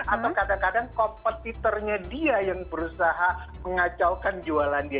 atau kadang kadang kompetitornya dia yang berusaha mengacaukan jualan dia